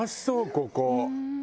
ここ。